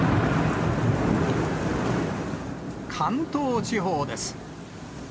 関東地方です。